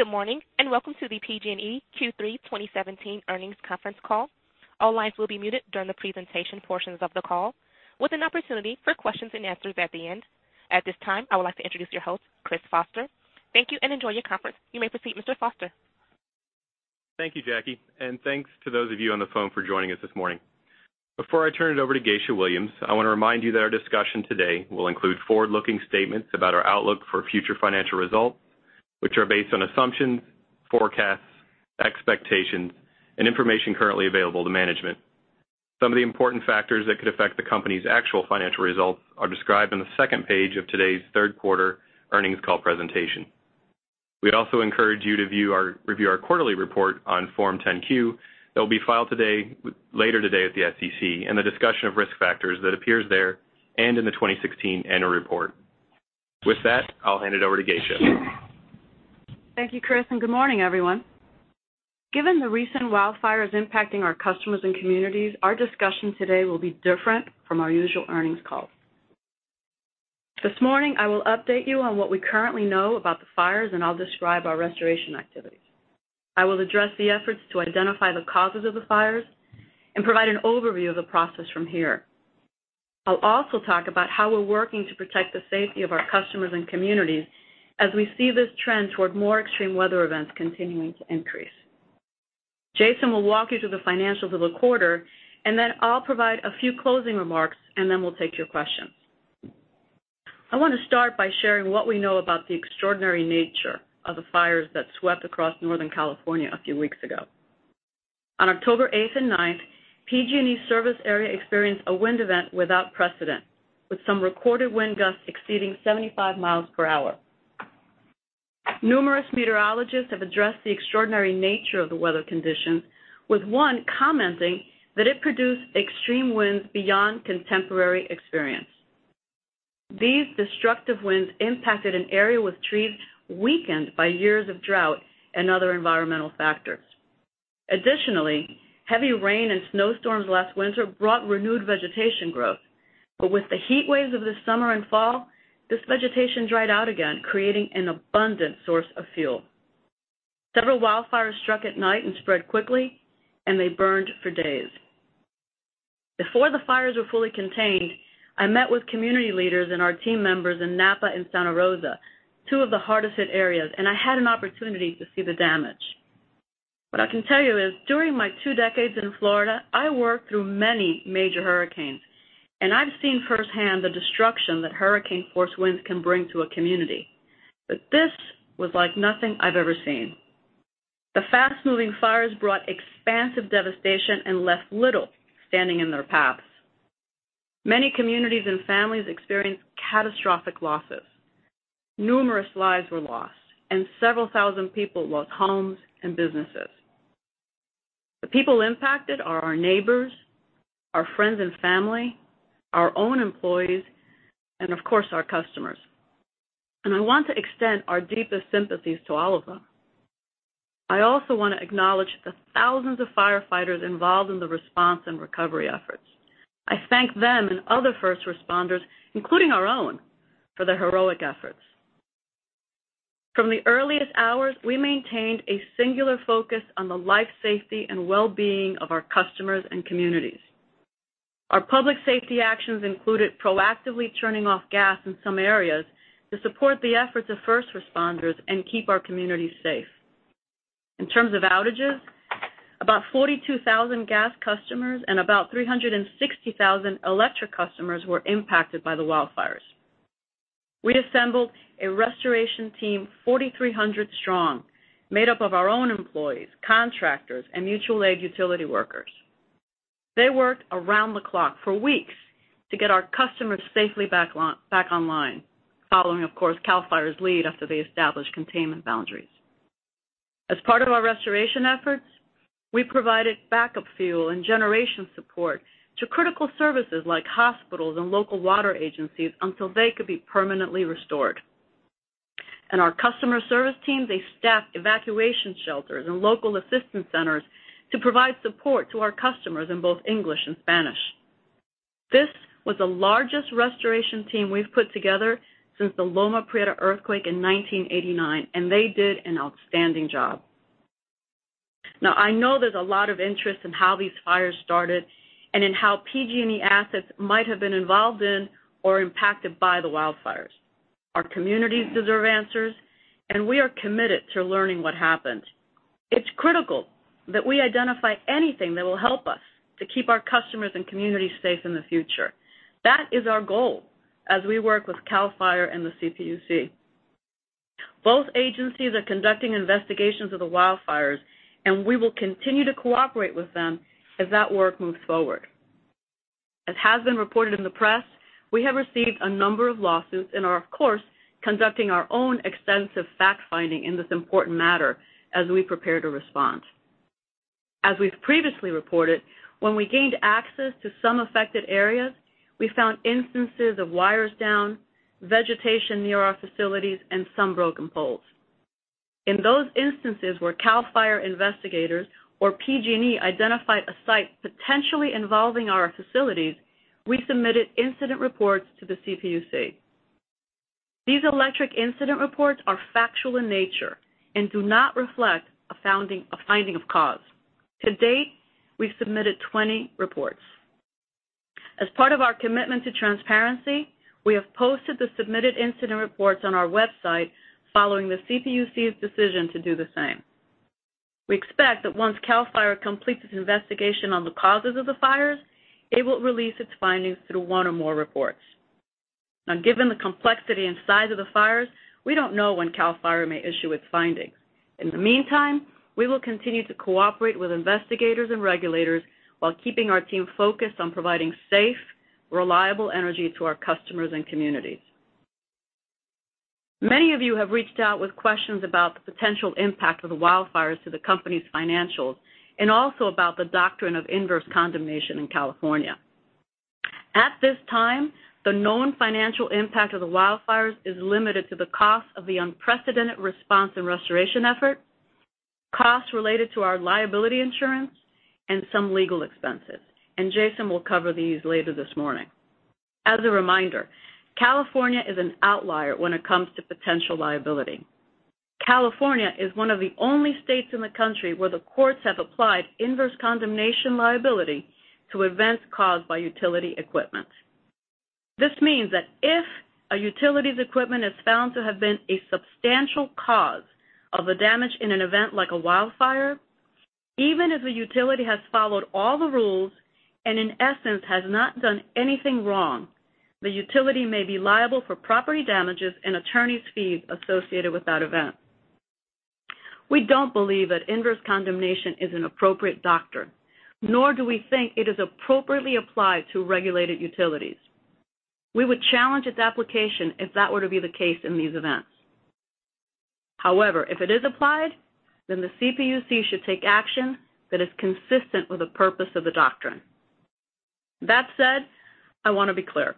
Good morning, welcome to the PG&E Q3 2017 earnings conference call. All lines will be muted during the presentation portions of the call, with an opportunity for questions and answers at the end. At this time, I would like to introduce your host, Chris Foster. Thank you, enjoy your conference. You may proceed, Mr. Foster. Thank you, Jackie, thanks to those of you on the phone for joining us this morning. Before I turn it over to Geisha Williams, I want to remind you that our discussion today will include forward-looking statements about our outlook for future financial results, which are based on assumptions, forecasts, expectations, and information currently available to management. Some of the important factors that could affect the company's actual financial results are described on the second page of today's third quarter earnings call presentation. We'd also encourage you to review our quarterly report on Form 10-Q that will be filed later today at the SEC, and the discussion of risk factors that appears there and in the 2016 annual report. With that, I'll hand it over to Geisha. Thank you, Chris, good morning, everyone. Given the recent wildfires impacting our customers and communities, our discussion today will be different from our usual earnings call. This morning, I will update you on what we currently know about the fires, and I'll describe our restoration activities. I will address the efforts to identify the causes of the fires and provide an overview of the process from here. I'll also talk about how we're working to protect the safety of our customers and communities as we see this trend toward more extreme weather events continuing to increase. Jason will walk you through the financials of the quarter, I'll provide a few closing remarks, we'll take your questions. I want to start by sharing what we know about the extraordinary nature of the fires that swept across Northern California a few weeks ago. On October 8th and 9th, PG&E service area experienced a wind event without precedent, with some recorded wind gusts exceeding 75 miles per hour. Numerous meteorologists have addressed the extraordinary nature of the weather conditions, with one commenting that it produced extreme winds beyond contemporary experience. These destructive winds impacted an area with trees weakened by years of drought and other environmental factors. Additionally, heavy rain and snowstorms last winter brought renewed vegetation growth. With the heat waves of the summer and fall, this vegetation dried out again, creating an abundant source of fuel. Several wildfires struck at night and spread quickly, and they burned for days. Before the fires were fully contained, I met with community leaders and our team members in Napa and Santa Rosa, two of the hardest hit areas, and I had an opportunity to see the damage. What I can tell you is, during my two decades in Florida, I worked through many major hurricanes, and I've seen firsthand the destruction that hurricane-force winds can bring to a community. This was like nothing I've ever seen. The fast-moving fires brought expansive devastation and left little standing in their paths. Many communities and families experienced catastrophic losses. Numerous lives were lost, and several thousand people lost homes and businesses. The people impacted are our neighbors, our friends and family, our own employees, and of course, our customers. I want to extend our deepest sympathies to all of them. I also want to acknowledge the thousands of firefighters involved in the response and recovery efforts. I thank them and other first responders, including our own, for their heroic efforts. From the earliest hours, we maintained a singular focus on the life, safety, and well-being of our customers and communities. Our public safety actions included proactively turning off gas in some areas to support the efforts of first responders and keep our communities safe. In terms of outages, about 42,000 gas customers and about 360,000 electric customers were impacted by the wildfires. We assembled a restoration team 4,300 strong, made up of our own employees, contractors, and mutual aid utility workers. They worked around the clock for weeks to get our customers safely back online, following, of course, Cal Fire's lead after they established containment boundaries. As part of our restoration efforts, we provided backup fuel and generation support to critical services like hospitals and local water agencies until they could be permanently restored. Our customer service teams, they staffed evacuation shelters and local assistance centers to provide support to our customers in both English and Spanish. This was the largest restoration team we've put together since the Loma Prieta earthquake in 1989, and they did an outstanding job. I know there's a lot of interest in how these fires started and in how PG&E assets might have been involved in or impacted by the wildfires. Our communities deserve answers, and we are committed to learning what happened. It's critical that we identify anything that will help us to keep our customers and communities safe in the future. That is our goal as we work with Cal Fire and the CPUC. Both agencies are conducting investigations of the wildfires, and we will continue to cooperate with them as that work moves forward. As has been reported in the press, we have received a number of lawsuits and are, of course, conducting our own extensive fact-finding in this important matter as we prepare to respond. As we've previously reported, when we gained access to some affected areas, we found instances of wires down, vegetation near our facilities, and some broken poles. In those instances where Cal Fire investigators or PG&E identified a site potentially involving our facilities, we submitted incident reports to the CPUC. These electric incident reports are factual in nature and do not reflect a finding of cause. To date, we've submitted 20 reports. As part of our commitment to transparency, we have posted the submitted incident reports on our website following the CPUC's decision to do the same. We expect that once Cal Fire completes its investigation on the causes of the fires, it will release its findings through one or more reports. Now, given the complexity and size of the fires, we don't know when Cal Fire may issue its findings. In the meantime, we will continue to cooperate with investigators and regulators while keeping our team focused on providing safe, reliable energy to our customers and communities. Many of you have reached out with questions about the potential impact of the wildfires to the company's financials, and also about the doctrine of inverse condemnation in California. At this time, the known financial impact of the wildfires is limited to the cost of the unprecedented response and restoration effort, costs related to our liability insurance, and some legal expenses. Jason will cover these later this morning. As a reminder, California is an outlier when it comes to potential liability. California is one of the only states in the country where the courts have applied inverse condemnation liability to events caused by utility equipment. This means that if a utility's equipment is found to have been a substantial cause of the damage in an event like a wildfire, even if the utility has followed all the rules and in essence, has not done anything wrong, the utility may be liable for property damages and attorney's fees associated with that event. We don't believe that inverse condemnation is an appropriate doctrine, nor do we think it is appropriately applied to regulated utilities. We would challenge its application if that were to be the case in these events. However, if it is applied, then the CPUC should take action that is consistent with the purpose of the doctrine. That said, I want to be clear.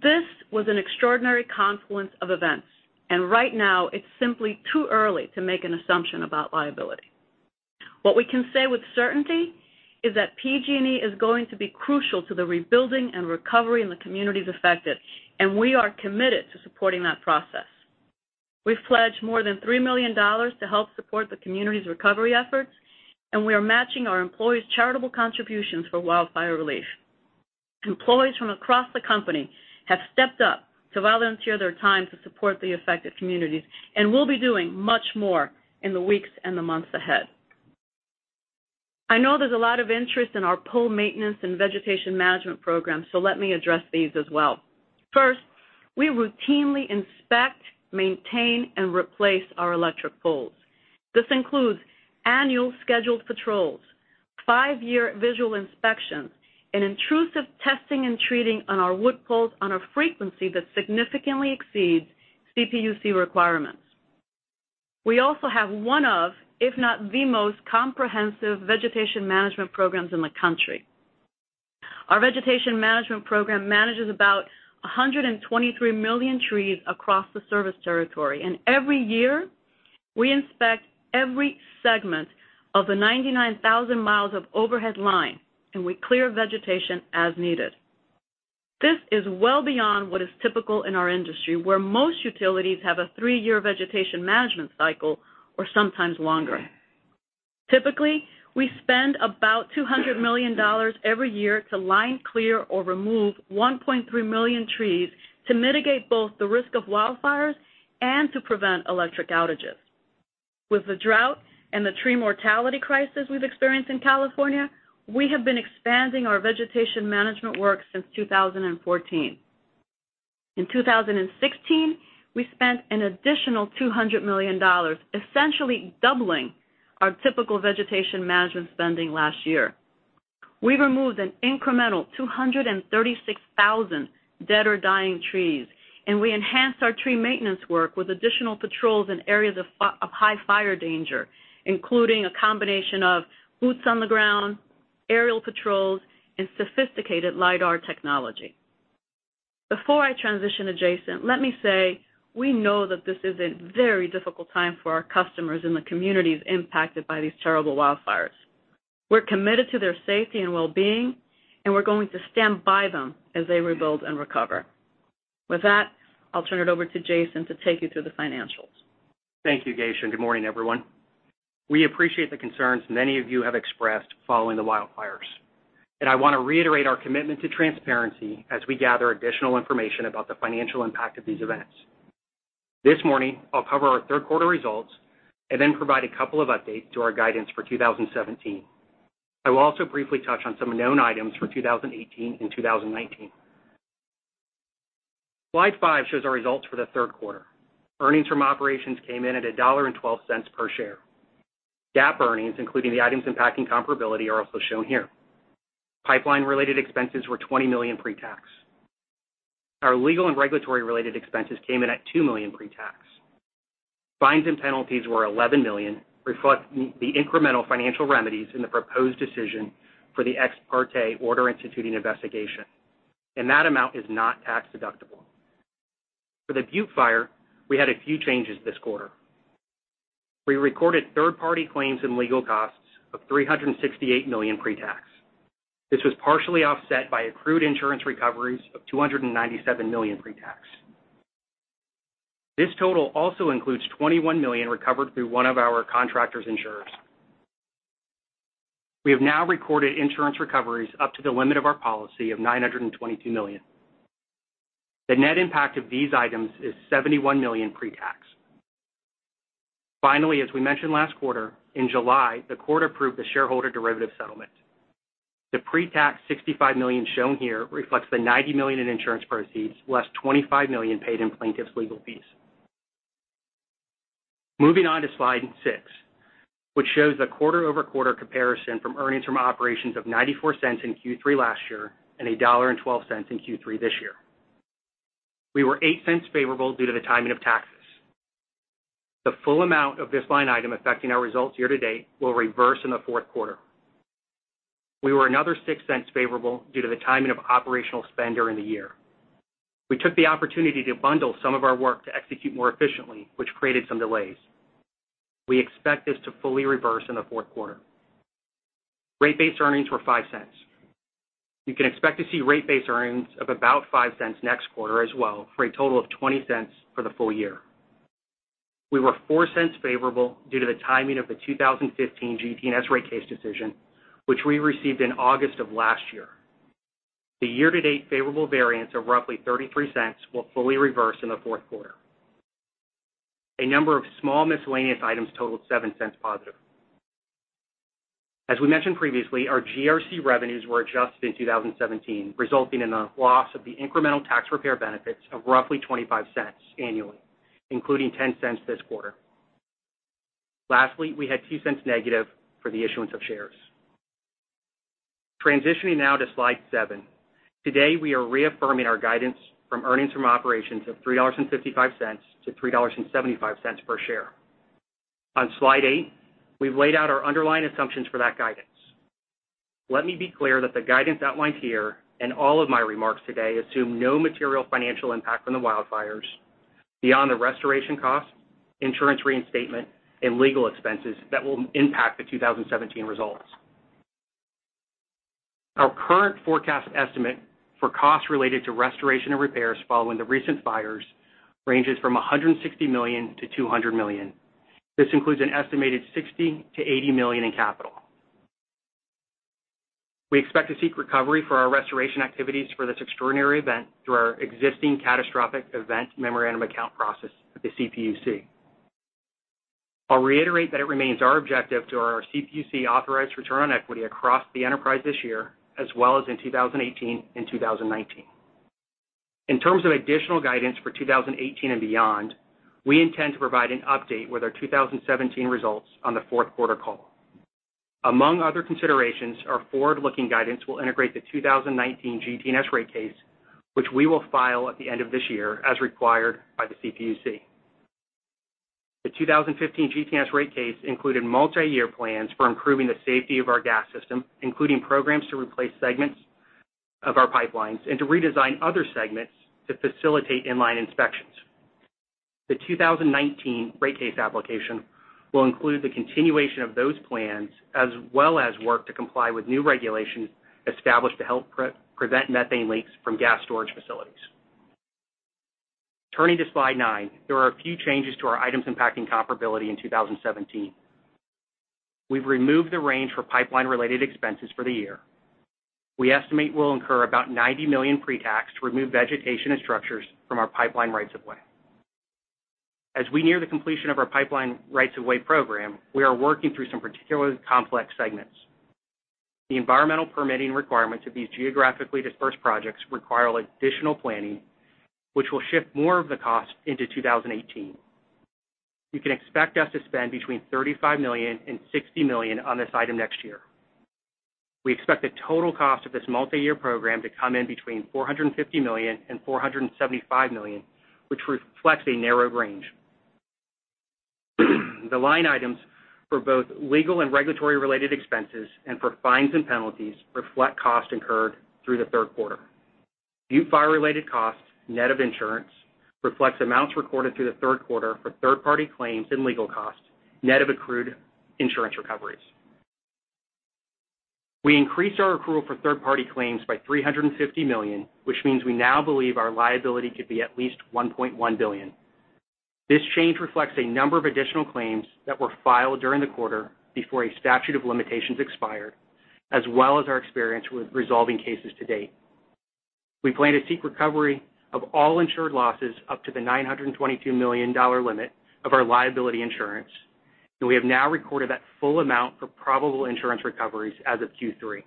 This was an extraordinary confluence of events. Right now, it's simply too early to make an assumption about liability. What we can say with certainty is that PG&E is going to be crucial to the rebuilding and recovery in the communities affected. We are committed to supporting that process. We've pledged more than $3 million to help support the communities' recovery efforts. We are matching our employees' charitable contributions for wildfire relief. Employees from across the company have stepped up to volunteer their time to support the affected communities and will be doing much more in the weeks and the months ahead. I know there's a lot of interest in our pole maintenance and vegetation management program. Let me address these as well. First, we routinely inspect, maintain, and replace our electric poles. This includes annual scheduled patrols, five-year visual inspections, and intrusive testing and treating on our wood poles on a frequency that significantly exceeds CPUC requirements. We also have one of, if not the most comprehensive vegetation management programs in the country. Our vegetation management program manages about 123 million trees across the service territory. Every year, we inspect every segment of the 99,000 miles of overhead line. We clear vegetation as needed. This is well beyond what is typical in our industry, where most utilities have a three-year vegetation management cycle or sometimes longer. Typically, we spend about $200 million every year to line clear or remove 1.3 million trees to mitigate both the risk of wildfires and to prevent electric outages. With the drought and the tree mortality crisis we've experienced in California, we have been expanding our vegetation management work since 2014. In 2016, we spent an additional $200 million, essentially doubling our typical vegetation management spending last year. We removed an incremental 236,000 dead or dying trees, and we enhanced our tree maintenance work with additional patrols in areas of high fire danger, including a combination of boots on the ground, aerial patrols, and sophisticated lidar technology. Before I transition to Jason, let me say, we know that this is a very difficult time for our customers and the communities impacted by these terrible wildfires. We're committed to their safety and well-being, and we're going to stand by them as they rebuild and recover. With that, I'll turn it over to Jason to take you through the financials. Thank you, Geisha. Good morning, everyone. We appreciate the concerns many of you have expressed following the wildfires, and I want to reiterate our commitment to transparency as we gather additional information about the financial impact of these events. This morning, I'll cover our third quarter results and then provide a couple of updates to our guidance for 2017. I will also briefly touch on some known items for 2018 and 2019. Slide five shows our results for the third quarter. Earnings from operations came in at $1.12 per share. GAAP earnings, including the items impacting comparability, are also shown here. Pipeline-related expenses were $20 million pre-tax. Our legal and regulatory-related expenses came in at $2 million pre-tax. Fines and penalties were $11 million, reflecting the incremental financial remedies in the proposed decision for the ex parte order instituting investigation, and that amount is not tax-deductible. For the Butte Fire, we had a few changes this quarter. We recorded third-party claims and legal costs of $368 million pre-tax. This was partially offset by accrued insurance recoveries of $297 million pre-tax. This total also includes $21 million recovered through one of our contractors' insurers. We have now recorded insurance recoveries up to the limit of our policy of $922 million. The net impact of these items is $71 million pre-tax. Finally, as we mentioned last quarter, in July, the court approved the shareholder derivative settlement. The pre-tax $65 million shown here reflects the $90 million in insurance proceeds, less $25 million paid in plaintiffs' legal fees. Moving on to Slide six, which shows a quarter-over-quarter comparison from earnings from operations of $0.94 in Q3 last year and $1.12 in Q3 this year. We were $0.08 favorable due to the timing of taxes. The full amount of this line item affecting our results year-to-date will reverse in the fourth quarter. We were another $0.06 favorable due to the timing of operational spend during the year. We took the opportunity to bundle some of our work to execute more efficiently, which created some delays. We expect this to fully reverse in the fourth quarter. Rate base earnings were $0.05. You can expect to see rate base earnings of about $0.05 next quarter as well, for a total of $0.20 for the full year. We were $0.04 favorable due to the timing of the 2015 PG&E rate case decision, which we received in August of last year. The year-to-date favorable variance of roughly $0.33 will fully reverse in the fourth quarter. A number of small miscellaneous items totaled $0.07 positive. As we mentioned previously, our GRC revenues were adjusted in 2017, resulting in a loss of the incremental tax repair benefits of roughly $0.25 annually, including $0.10 this quarter. Lastly, we had $0.02 negative for the issuance of shares. Transitioning now to slide seven. Today, we are reaffirming our guidance from earnings from operations of $3.55-$3.75 per share. On slide eight, we've laid out our underlying assumptions for that guidance. Let me be clear that the guidance outlined here and all of my remarks today assume no material financial impact from the wildfires beyond the restoration costs, insurance reinstatement, and legal expenses that will impact the 2017 results. Our current forecast estimate for costs related to restoration and repairs following the recent fires ranges from $160 million-$200 million. This includes an estimated $60 million-$80 million in capital. We expect to seek recovery for our restoration activities for this extraordinary event through our existing Catastrophic Event Memorandum Account process with the CPUC. I'll reiterate that it remains our objective to our CPUC-authorized return on equity across the enterprise this year, as well as in 2018 and 2019. In terms of additional guidance for 2018 and beyond, we intend to provide an update with our 2017 results on the fourth quarter call. Among other considerations, our forward-looking guidance will integrate the 2019 PG&E rate case, which we will file at the end of this year as required by the CPUC. The 2015 PG&E rate case included multi-year plans for improving the safety of our gas system, including programs to replace segments of our pipelines and to redesign other segments to facilitate inline inspections. The 2019 rate case application will include the continuation of those plans, as well as work to comply with new regulations established to help prevent methane leaks from gas storage facilities. Turning to slide nine, there are a few changes to our items impacting comparability in 2017. We've removed the range for pipeline-related expenses for the year. We estimate we'll incur about $90 million pre-tax to remove vegetation and structures from our pipeline rights of way. As we near the completion of our pipeline rights of way program, we are working through some particularly complex segments. The environmental permitting requirements of these geographically dispersed projects require additional planning, which will shift more of the cost into 2018. You can expect us to spend between $35 million-$60 million on this item next year. We expect the total cost of this multi-year program to come in between $450 million-$475 million, which reflects a narrowed range. The line items for both legal and regulatory-related expenses and for fines and penalties reflect costs incurred through the third quarter. Butte Fire-related costs, net of insurance, reflects amounts recorded through the third quarter for third-party claims and legal costs, net of accrued insurance recoveries. We increased our accrual for third-party claims by $350 million, which means we now believe our liability could be at least $1.1 billion. This change reflects a number of additional claims that were filed during the quarter before a statute of limitations expired, as well as our experience with resolving cases to date. We plan to seek recovery of all insured losses up to the $922 million limit of our liability insurance, and we have now recorded that full amount for probable insurance recoveries as of Q3.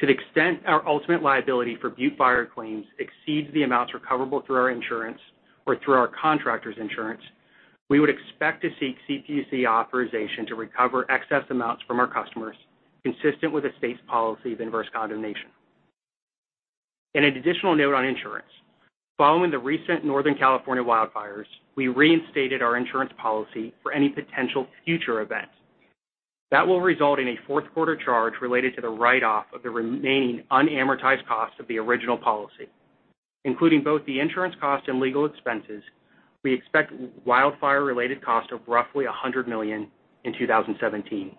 To the extent our ultimate liability for Butte Fire claims exceeds the amounts recoverable through our insurance or through our contractors' insurance, we would expect to seek CPUC authorization to recover excess amounts from our customers, consistent with the state's policy of inverse condemnation. In an additional note on insurance, following the recent Northern California wildfires, we reinstated our insurance policy for any potential future events. That will result in a fourth quarter charge related to the write-off of the remaining unamortized cost of the original policy. Including both the insurance cost and legal expenses, we expect wildfire-related cost of roughly $100 million in 2017.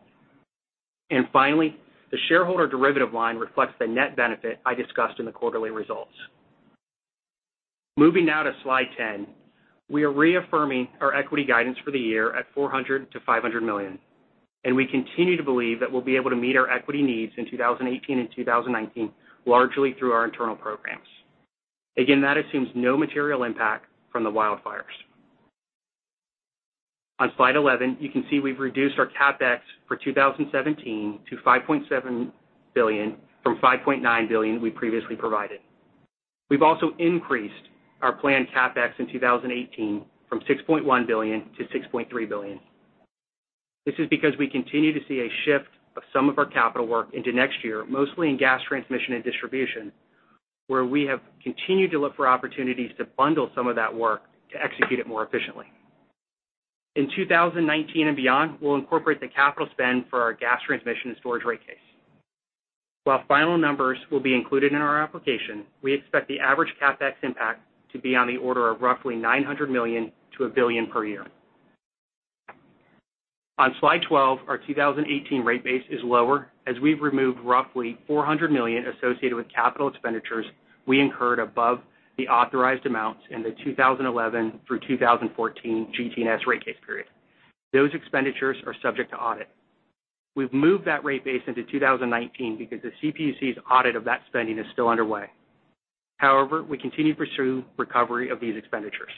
Finally, the shareholder derivative line reflects the net benefit I discussed in the quarterly results. Moving now to slide 10. We are reaffirming our equity guidance for the year at $400 million-$500 million, and we continue to believe that we'll be able to meet our equity needs in 2018 and 2019, largely through our internal programs. Again, that assumes no material impact from the wildfires. On slide 11, you can see we've reduced our CapEx for 2017 to $5.7 billion from $5.9 billion we previously provided. We've also increased our planned CapEx in 2018 from $6.1 billion-$6.3 billion. This is because we continue to see a shift of some of our capital work into next year, mostly in gas transmission and distribution, where we have continued to look for opportunities to bundle some of that work to execute it more efficiently. In 2019 and beyond, we'll incorporate the capital spend for our gas transmission and storage rate case. While final numbers will be included in our application, we expect the average CapEx impact to be on the order of roughly $900 million-$1 billion per year. On slide 12, our 2018 rate base is lower as we've removed roughly $400 million associated with capital expenditures we incurred above the authorized amounts in the 2011 through 2014 GT&S rate case period. Those expenditures are subject to audit. We've moved that rate base into 2019 because the CPUC's audit of that spending is still underway. However, we continue to pursue recovery of these expenditures.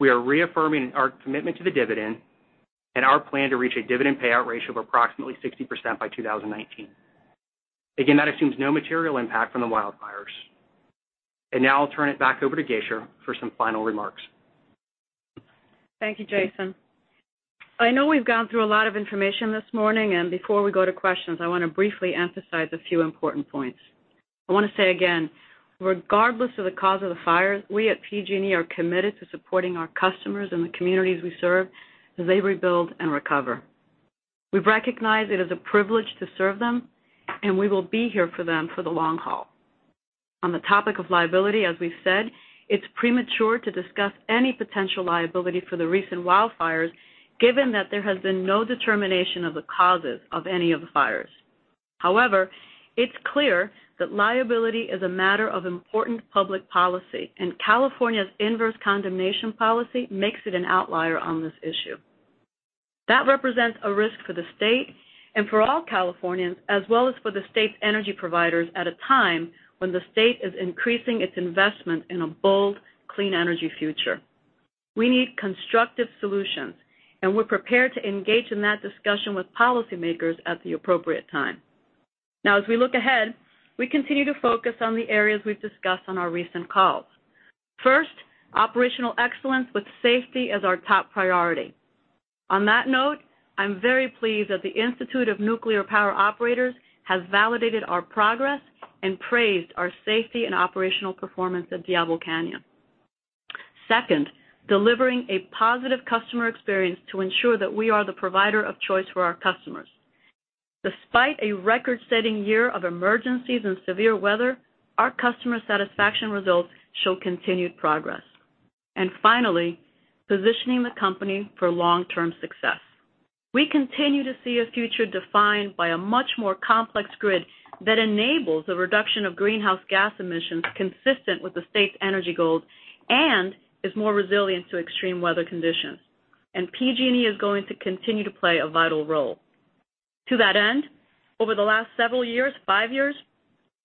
We are reaffirming our commitment to the dividend and our plan to reach a dividend payout ratio of approximately 60% by 2019. Again, that assumes no material impact from the wildfires. Now I'll turn it back over to Geisha for some final remarks. Thank you, Jason. I know we've gone through a lot of information this morning, and before we go to questions, I want to briefly emphasize a few important points. I want to say again, regardless of the cause of the fires, we at PG&E are committed to supporting our customers and the communities we serve as they rebuild and recover. We recognize it is a privilege to serve them, and we will be here for them for the long haul. On the topic of liability, as we've said, it's premature to discuss any potential liability for the recent wildfires, given that there has been no determination of the causes of any of the fires. However, it's clear that liability is a matter of important public policy, and California's inverse condemnation policy makes it an outlier on this issue. That represents a risk for the state and for all Californians, as well as for the state's energy providers at a time when the state is increasing its investment in a bold, clean energy future. We need constructive solutions, and we're prepared to engage in that discussion with policymakers at the appropriate time. Now as we look ahead, we continue to focus on the areas we've discussed on our recent calls. First, operational excellence with safety as our top priority. On that note, I'm very pleased that the Institute of Nuclear Power Operations has validated our progress and praised our safety and operational performance at Diablo Canyon. Second, delivering a positive customer experience to ensure that we are the provider of choice for our customers. Despite a record-setting year of emergencies and severe weather, our customer satisfaction results show continued progress. Finally, positioning the company for long-term success. We continue to see a future defined by a much more complex grid that enables the reduction of greenhouse gas emissions consistent with the state's energy goals and is more resilient to extreme weather conditions. PG&E is going to continue to play a vital role. To that end, over the last several years, five years,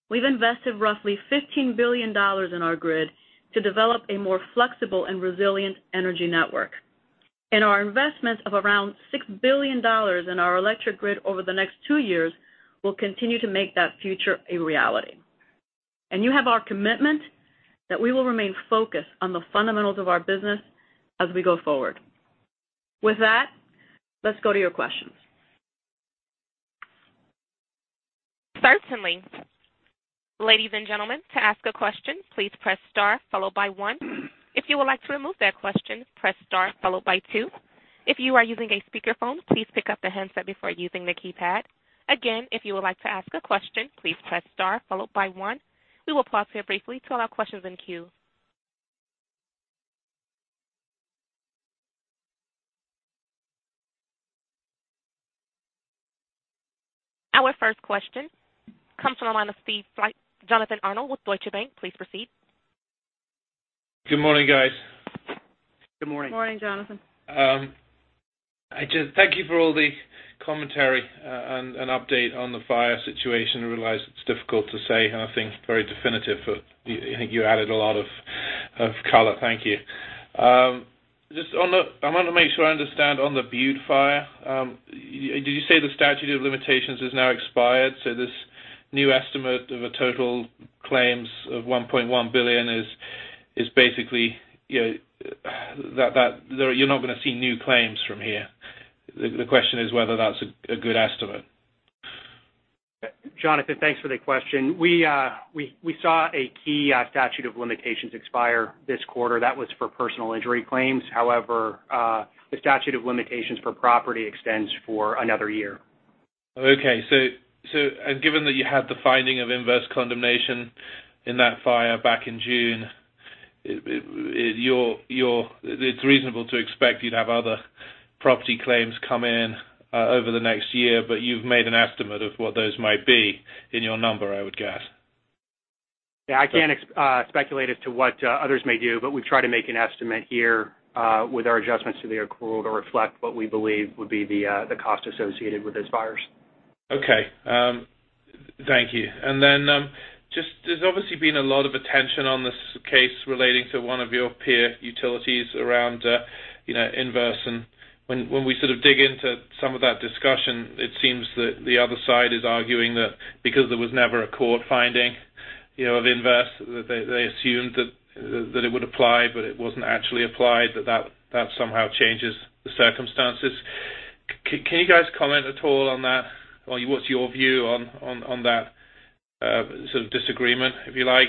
we've invested roughly $15 billion in our grid to develop a more flexible and resilient energy network. Our investment of around $6 billion in our electric grid over the next two years will continue to make that future a reality. You have our commitment that we will remain focused on the fundamentals of our business as we go forward. With that, let's go to your questions. Certainly. Ladies and gentlemen, to ask a question, please press star followed by one. If you would like to remove that question, press star followed by two. If you are using a speakerphone, please pick up the handset before using the keypad. Again, if you would like to ask a question, please press star followed by one. We will pause here briefly to allow questions in queue. Our first question comes from the line of Jonathan Arnold with Deutsche Bank. Please proceed. Good morning. Good morning, Jonathan. Thank you for all the commentary and update on the fire situation. I realize it's difficult to say anything very definitive, but I think you added a lot of color. Thank you. I want to make sure I understand on the Butte Fire. Did you say the statute of limitations is now expired, so this new estimate of a total claims of $1.1 billion is basically that you're not going to see new claims from here? The question is whether that's a good estimate. Jonathan, thanks for the question. We saw a key statute of limitations expire this quarter. That was for personal injury claims. However, the statute of limitations for property extends for another year. Okay. Given that you had the finding of inverse condemnation in that fire back in June, it's reasonable to expect you'd have other property claims come in over the next year, but you've made an estimate of what those might be in your number, I would guess. Yeah. I can't speculate as to what others may do, but we've tried to make an estimate here with our adjustments to the accrual to reflect what we believe would be the cost associated with those fires. Okay. Thank you. There's obviously been a lot of attention on this case relating to one of your peer utilities around inverse. When we sort of dig into some of that discussion, it seems that the other side is arguing that because there was never a court finding of inverse, they assumed that it would apply, but it wasn't actually applied, that that somehow changes the circumstances. Can you guys comment at all on that? What's your view on that sort of disagreement, if you like?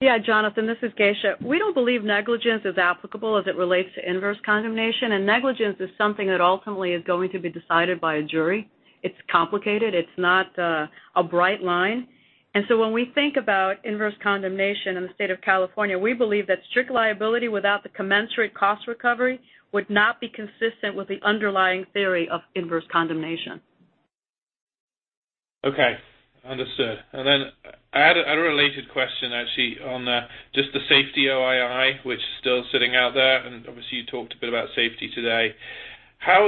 Yeah, Jonathan. This is Geisha. We don't believe negligence is applicable as it relates to inverse condemnation, and negligence is something that ultimately is going to be decided by a jury. It's complicated. It's not a bright line. So when we think about inverse condemnation in the state of California, we believe that strict liability without the commensurate cost recovery would not be consistent with the underlying theory of inverse condemnation. Okay. Understood. I had a related question, actually, on just the Safety OII, which is still sitting out there, and obviously you talked a bit about safety today. How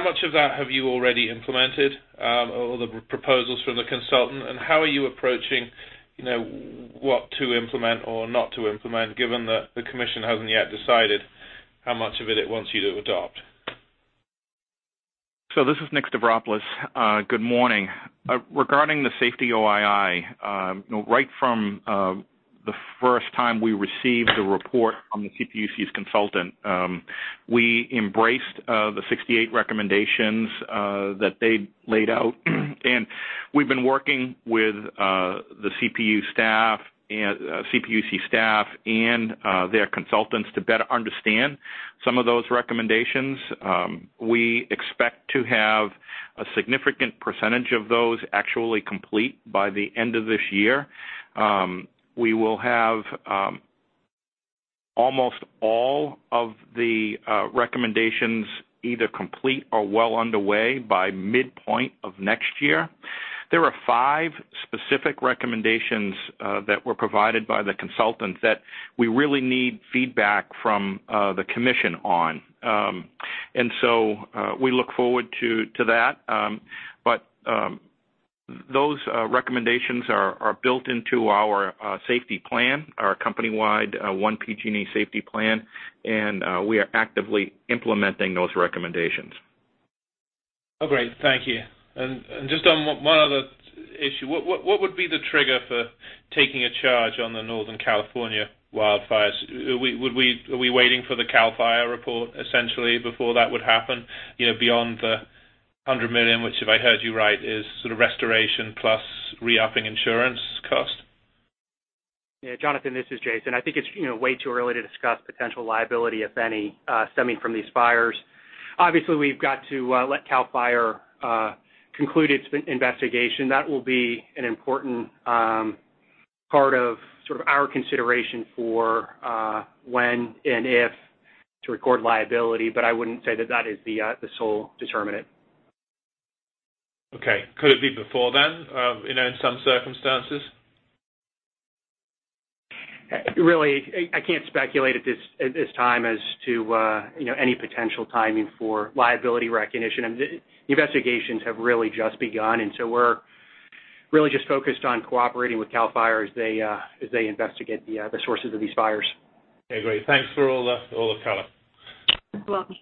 much of that have you already implemented, or the proposals from the consultant, and how are you approaching what to implement or not to implement, given that the commission hasn't yet decided how much of it it wants you to adopt? This is Nick Stavropoulos. Good morning. Regarding the Safety OII, right from the first time we received the report from the CPUC's consultant, we embraced the 68 recommendations that they laid out. We've been working with the CPUC staff and their consultants to better understand some of those recommendations. We expect to have a significant percentage of those actually complete by the end of this year. We will have almost all of the recommendations either complete or well underway by midpoint of next year. There are five specific recommendations that were provided by the consultants that we really need feedback from the commission on. We look forward to that. Those recommendations are built into our safety plan, our company-wide one PG&E safety plan, and we are actively implementing those recommendations. Great. Thank you. Just on one other issue, what would be the trigger for taking a charge on the Northern California wildfires? Are we waiting for the CAL FIRE report essentially before that would happen beyond the $100 million, which, if I heard you right, is sort of restoration plus re-upping insurance cost? Jonathan, this is Jason. I think it's way too early to discuss potential liability, if any, stemming from these fires. Obviously, we've got to let CAL FIRE conclude its investigation. That will be an important part of our consideration for when and if to record liability, but I wouldn't say that that is the sole determinant. Okay. Could it be before then in some circumstances? Really, I can't speculate at this time as to any potential timing for liability recognition. The investigations have really just begun, and so we're really just focused on cooperating with Cal Fire as they investigate the sources of these fires. Okay, great. Thanks for all the color. You're welcome.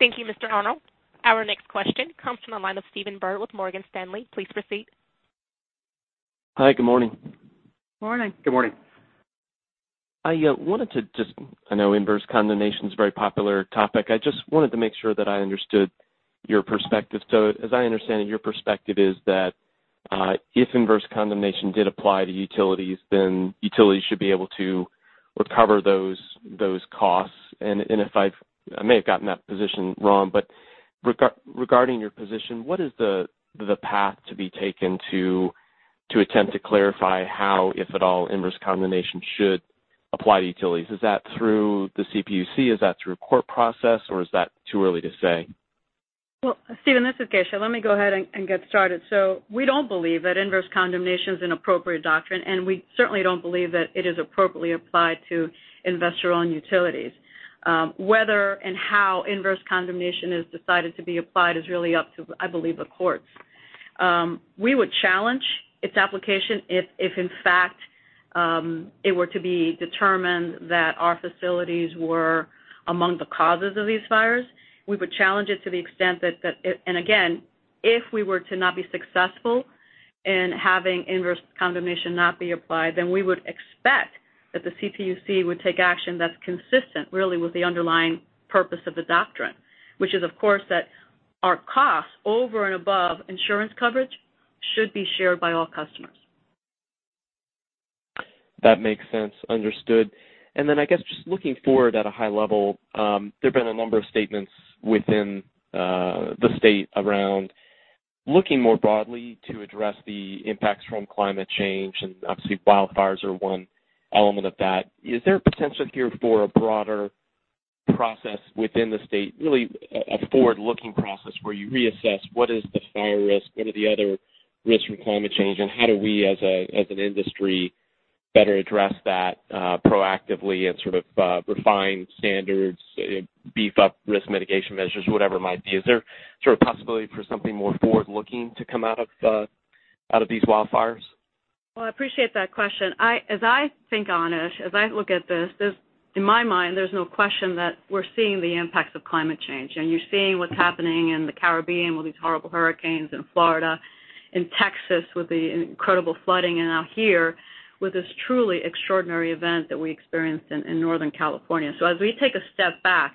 Thank you, Mr. Arnold. Our next question comes from the line of Stephen Byrd with Morgan Stanley. Please proceed. Hi, good morning. Morning. Good morning. I wanted to just, I know inverse condemnation's a very popular topic. I just wanted to make sure that I understood your perspective. As I understand it, your perspective is that if inverse condemnation did apply to utilities, then utilities should be able to recover those costs. I may have gotten that position wrong, but regarding your position, what is the path to be taken to attempt to clarify how, if at all, inverse condemnation should apply to utilities? Is that through the CPUC? Is that through court process, or is that too early to say? Well, Stephen, this is Geisha. Let me go ahead and get started. We don't believe that inverse condemnation is an appropriate doctrine, and we certainly don't believe that it is appropriately applied to investor-owned utilities. Whether and how inverse condemnation is decided to be applied is really up to, I believe, the courts. We would challenge its application if in fact it were to be determined that our facilities were among the causes of these fires. We would challenge it to the extent that, and again, if we were to not be successful And having inverse condemnation not be applied, then we would expect that the CPUC would take action that's consistent, really, with the underlying purpose of the doctrine, which is, of course, that our costs over and above insurance coverage should be shared by all customers. That makes sense. Understood. Then, I guess, just looking forward at a high level, there've been a number of statements within the state around looking more broadly to address the impacts from climate change, and obviously wildfires are one element of that. Is there a potential here for a broader process within the state, really a forward-looking process where you reassess what is the fire risk, what are the other risks from climate change, and how do we as an industry better address that proactively and sort of refine standards, beef up risk mitigation measures, whatever it might be? Is there sort of possibility for something more forward-looking to come out of these wildfires? Well, I appreciate that question. As I think on it, as I look at this, in my mind, there's no question that we're seeing the impacts of climate change, and you're seeing what's happening in the Caribbean with these horrible hurricanes, in Florida, in Texas with the incredible flooding, and out here with this truly extraordinary event that we experienced in Northern California. As we take a step back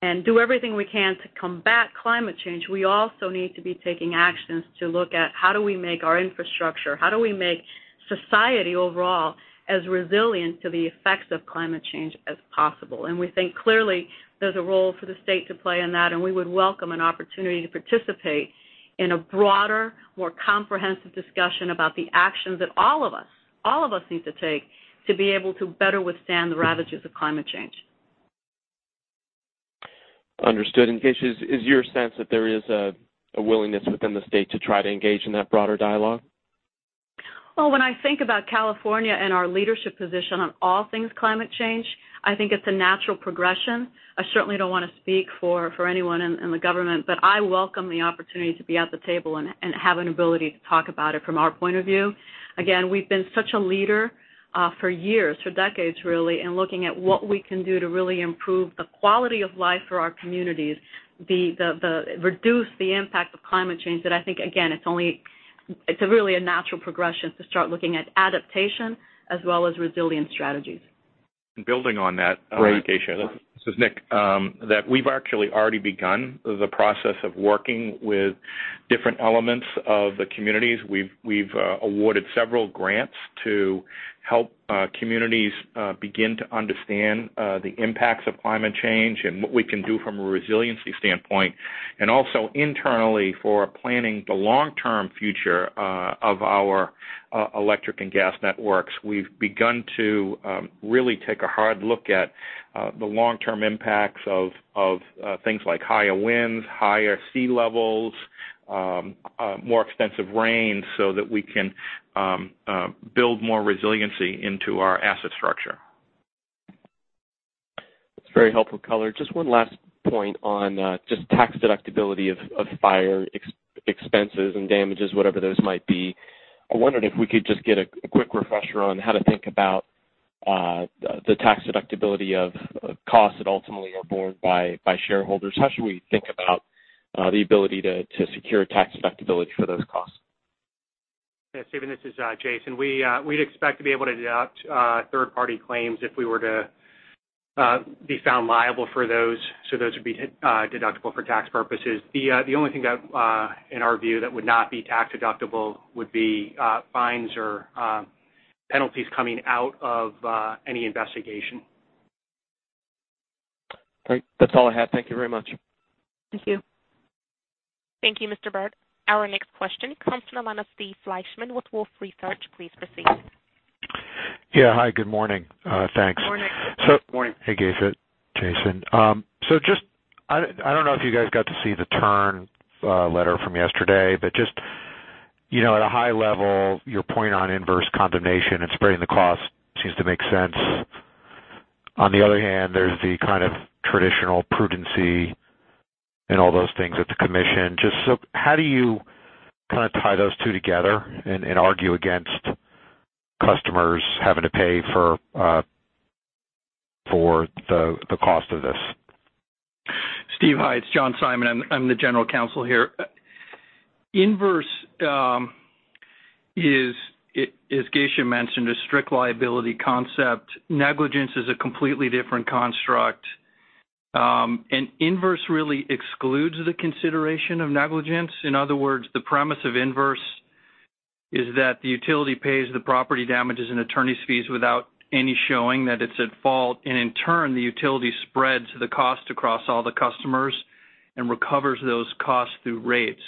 and do everything we can to combat climate change, we also need to be taking actions to look at how do we make our infrastructure, how do we make society overall as resilient to the effects of climate change as possible. We think clearly there's a role for the state to play in that, and we would welcome an opportunity to participate in a broader, more comprehensive discussion about the actions that all of us need to take to be able to better withstand the ravages of climate change. Understood. Geisha, is your sense that there is a willingness within the state to try to engage in that broader dialogue? Well, when I think about California and our leadership position on all things climate change, I think it's a natural progression. I certainly don't want to speak for anyone in the government, but I welcome the opportunity to be at the table and have an ability to talk about it from our point of view. Again, we've been such a leader for years, for decades really, in looking at what we can do to really improve the quality of life for our communities, reduce the impact of climate change that I think, again, it's really a natural progression to start looking at adaptation as well as resilience strategies. Building on that. Great Geisha, this is Nick. That we've actually already begun the process of working with different elements of the communities. We've awarded several grants to help communities begin to understand the impacts of climate change and what we can do from a resiliency standpoint. Also internally for planning the long-term future of our electric and gas networks, we've begun to really take a hard look at the long-term impacts of things like higher winds, higher sea levels, more extensive rain, so that we can build more resiliency into our asset structure. That's a very helpful color. Just one last point on just tax deductibility of fire expenses and damages, whatever those might be. I wondered if we could just get a quick refresher on how to think about the tax deductibility of costs that ultimately are borne by shareholders. How should we think about the ability to secure tax deductibility for those costs? Yeah, Stephen, this is Jason. We'd expect to be able to deduct third-party claims if we were to be found liable for those. Those would be deductible for tax purposes. The only thing that, in our view, that would not be tax deductible would be fines or penalties coming out of any investigation. Great. That's all I had. Thank you very much. Thank you. Thank you, Mr. Byrd. Our next question comes from the line of Steve Fleishman with Wolfe Research. Please proceed. Yeah. Hi, good morning. Thanks. Good morning. Good morning. Hey, Geisha, Jason. Just, I don't know if you guys got to see the TURN letter from yesterday, just at a high level, your point on inverse condemnation and spreading the cost seems to make sense. On the other hand, there's the kind of traditional prudency and all those things at the commission. Just how do you kind of tie those two together and argue against customers having to pay for the cost of this? Steve, hi. It's John Simon. I'm the general counsel here. Inverse, as Geisha mentioned, a strict liability concept. Negligence is a completely different construct. Inverse really excludes the consideration of negligence. In other words, the premise of inverse is that the utility pays the property damages and attorney's fees without any showing that it's at fault, and in turn, the utility spreads the cost across all the customers and recovers those costs through rates.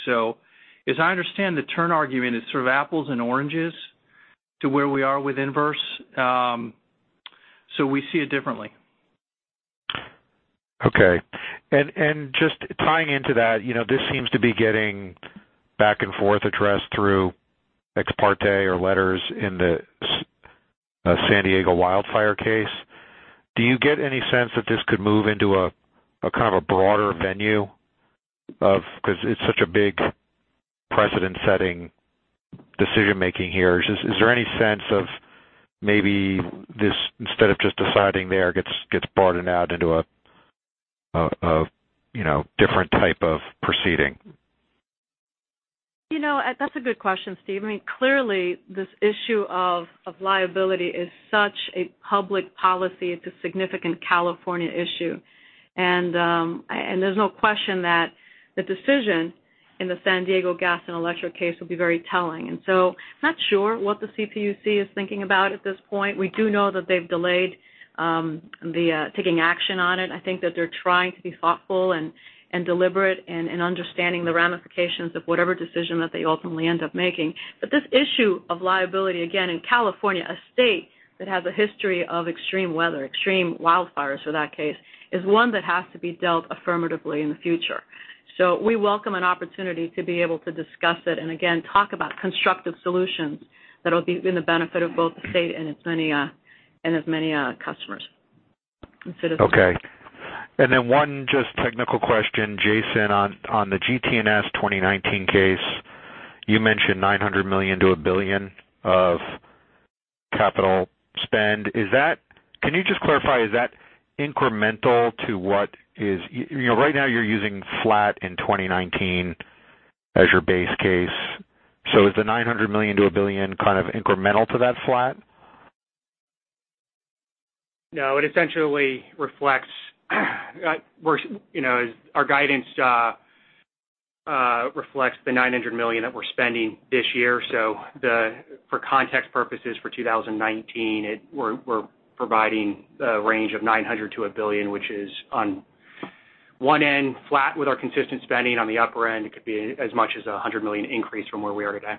As I understand, the TURN argument is sort of apples and oranges to where we are with inverse. We see it differently. Okay. Just tying into that, this seems to be getting back and forth addressed through ex parte or letters in the San Diego wildfire case. Do you get any sense that this could move into a kind of a broader venue of, because it's such a big precedent-setting decision-making here? Is there any sense of maybe this, instead of just deciding there, gets broadened out into a different type of proceeding. That's a good question, Steve. Clearly, this issue of liability is such a public policy. It's a significant California issue. There's no question that the decision in the San Diego Gas & Electric case will be very telling. I'm not sure what the CPUC is thinking about at this point. We do know that they've delayed taking action on it. I think that they're trying to be thoughtful and deliberate in understanding the ramifications of whatever decision that they ultimately end up making. This issue of liability, again, in California, a state that has a history of extreme weather, extreme wildfires for that case, is one that has to be dealt affirmatively in the future. We welcome an opportunity to be able to discuss it and again, talk about constructive solutions that'll be in the benefit of both the state and as many customers and citizens. Okay. One just technical question, Jason, on the GT&S 2019 case, you mentioned $900 million to $1 billion of capital spend. Can you just clarify, is that incremental? Right now you're using flat in 2019 as your base case. Is the $900 million to $1 billion kind of incremental to that flat? No, it essentially reflects our guidance, reflects the $900 million that we're spending this year. For context purposes, for 2019, we're providing a range of $900 million to $1 billion, which is on one end flat with our consistent spending. On the upper end, it could be as much as a $100 million increase from where we are today.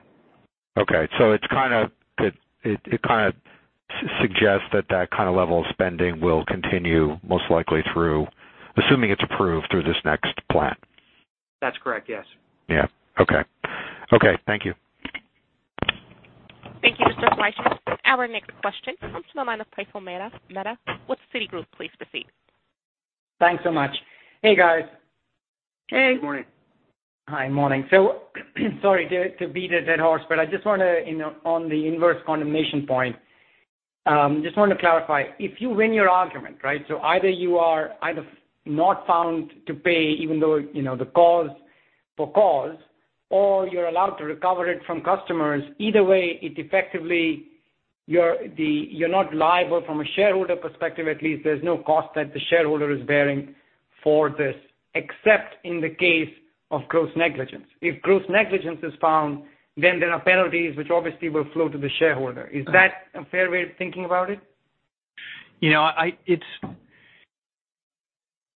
Okay. It kind of suggests that kind of level of spending will continue most likely through, assuming it's approved, through this next plan. That's correct. Yes. Yeah. Okay. Thank you. Thank you, Mr. Fleishman. Our next question comes from the line of Praful Mehta with Citigroup. Please proceed. Thanks so much. Hey, guys. Hey. Good morning. Hi. Morning. Sorry to beat a dead horse, on the inverse condemnation point, just wanted to clarify. If you win your argument, either you are either not found to pay even though the cause for cause, or you're allowed to recover it from customers. Either way, effectively, you're not liable from a shareholder perspective, at least there's no cost that the shareholder is bearing for this, except in the case of gross negligence. If gross negligence is found, there are penalties which obviously will flow to the shareholder. Is that a fair way of thinking about it?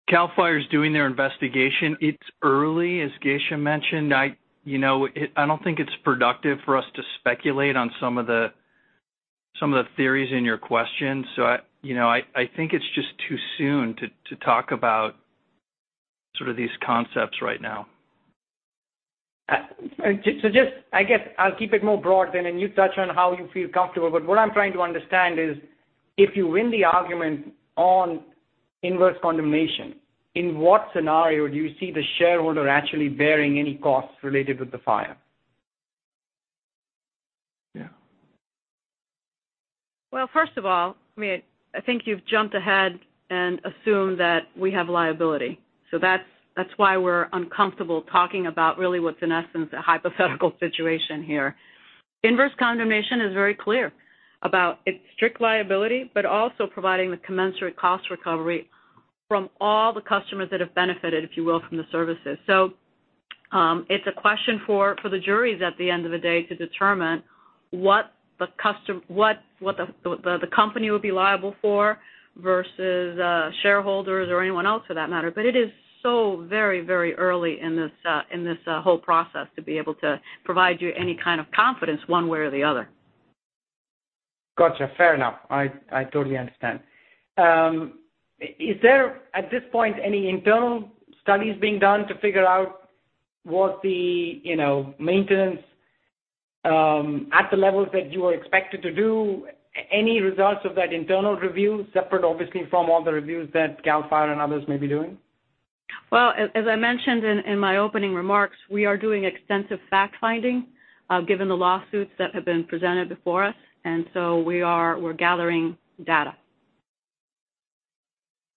Cal Fire is doing their investigation. It's early, as Geisha mentioned. I don't think it's productive for us to speculate on some of the theories in your question. I think it's just too soon to talk about sort of these concepts right now. Just, I guess I'll keep it more broad then, you touch on how you feel comfortable. What I'm trying to understand is if you win the argument on inverse condemnation, in what scenario do you see the shareholder actually bearing any costs related with the fire? Yeah. Well, first of all, I think you've jumped ahead and assumed that we have liability. That's why we're uncomfortable talking about really what's in essence, a hypothetical situation here. Inverse condemnation is very clear about its strict liability, also providing the commensurate cost recovery from all the customers that have benefited, if you will, from the services. It's a question for the juries at the end of the day to determine what the company would be liable for versus shareholders or anyone else for that matter. It is so very early in this whole process to be able to provide you any kind of confidence one way or the other. Gotcha. Fair enough. I totally understand. Is there, at this point, any internal studies being done to figure out was the maintenance at the levels that you were expected to do? Any results of that internal review, separate obviously from all the reviews that Cal Fire and others may be doing? Well, as I mentioned in my opening remarks, we are doing extensive fact-finding given the lawsuits that have been presented before us, we're gathering data.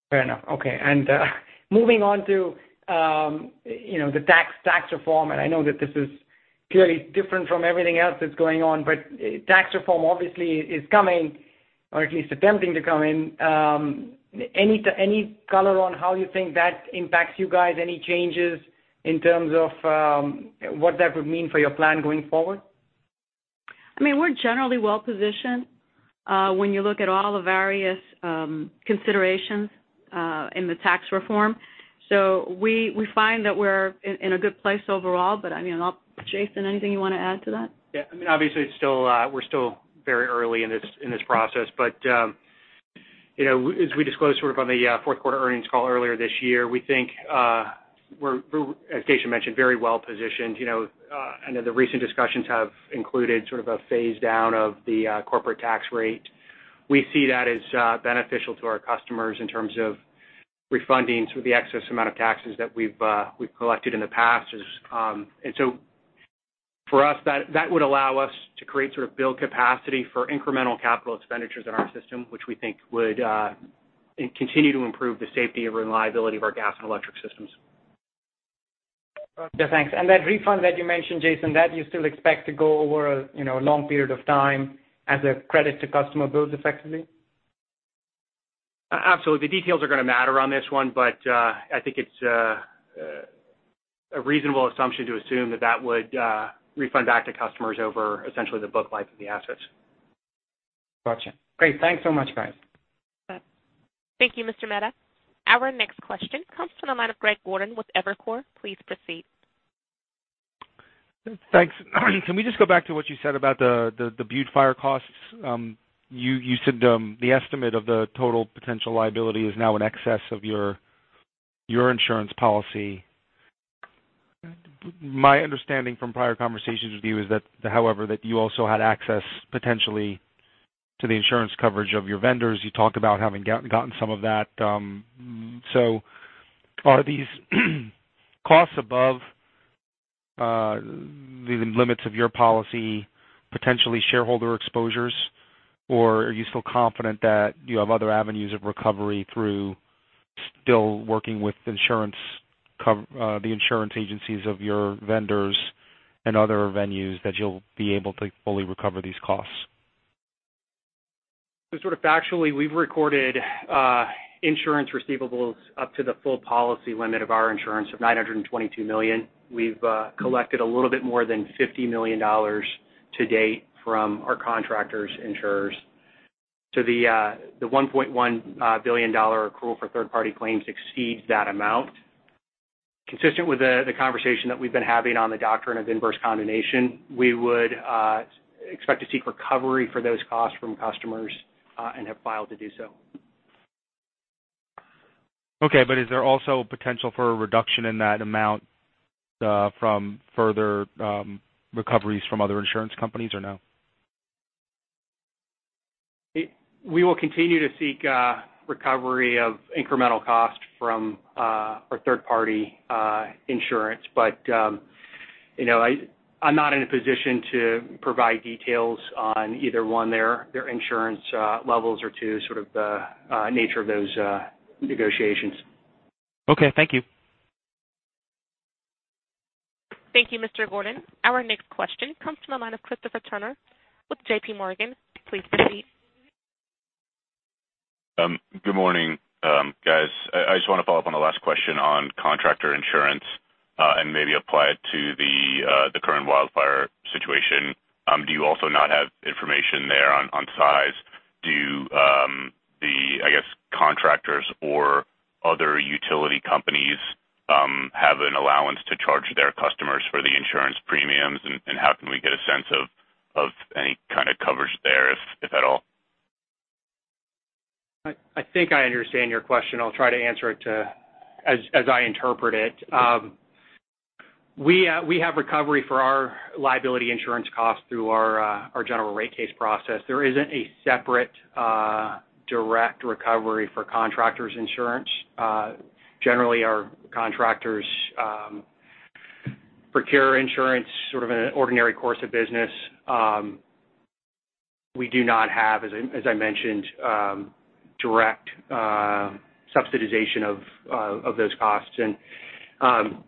Fair enough. Okay. Moving on to the tax reform, I know that this is clearly different from everything else that's going on, tax reform obviously is coming, or at least attempting to come in. Any color on how you think that impacts you guys? Any changes in terms of what that would mean for your plan going forward? We're generally well-positioned when you look at all the various considerations in the tax reform. We find that we're in a good place overall. Jason, anything you want to add to that? Yeah. Obviously, we are still very early in this process, but as we disclosed sort of on the fourth quarter earnings call earlier this year, we think we are, as Geisha mentioned, very well-positioned. I know the recent discussions have included sort of a phase down of the corporate tax rate. We see that as beneficial to our customers in terms of refunding sort of the excess amount of taxes that we have collected in the past. For us, that would allow us to create build capacity for incremental capital expenditures in our system, which we think would continue to improve the safety and reliability of our gas and electric systems. Perfect. Thanks. That refund that you mentioned, Jason, that you still expect to go over a long period of time as a credit to customer bills effectively? Absolutely. The details are going to matter on this one, but I think it is a reasonable assumption to assume that that would refund back to customers over essentially the book life of the assets. Got you. Great. Thanks so much, guys. Thank you, Mr. Mehta. Our next question comes from the line of Greg Gordon with Evercore. Please proceed. Thanks. Can we just go back to what you said about the Butte Fire costs? You said the estimate of the total potential liability is now in excess of your insurance policy. My understanding from prior conversations with you is that, however, that you also had access potentially to the insurance coverage of your vendors. You talked about having gotten some of that. Are these costs above the limits of your policy, potentially shareholder exposures, or are you still confident that you have other avenues of recovery through still working with the insurance agencies of your vendors and other avenues that you'll be able to fully recover these costs? Sort of factually, we've recorded insurance receivables up to the full policy limit of our insurance of $922 million. We've collected a little bit more than $50 million to date from our contractors' insurers. The $1.1 billion accrual for third-party claims exceeds that amount. Consistent with the conversation that we've been having on the doctrine of inverse condemnation, we would expect to seek recovery for those costs from customers, and have filed to do so. Okay, is there also a potential for a reduction in that amount from further recoveries from other insurance companies, or no? We will continue to seek recovery of incremental cost from our third-party insurance. I'm not in a position to provide details on either, one, their insurance levels, or two, sort of the nature of those negotiations. Okay, thank you. Thank you, Mr. Gordon. Our next question comes from the line of Christopher Turnure with JPMorgan. Please proceed. Good morning, guys. I just want to follow up on the last question on contractor insurance, and maybe apply it to the current wildfire situation. Do you also not have information there on size? Do the, I guess, contractors or other utility companies have an allowance to charge their customers for the insurance premiums, and how can we get a sense of any kind of coverage there, if at all? I think I understand your question. I'll try to answer it as I interpret it. We have recovery for our liability insurance costs through our general rate case process. There isn't a separate direct recovery for contractors' insurance. Generally, our contractors procure insurance sort of in an ordinary course of business. We do not have, as I mentioned, direct subsidization of those costs.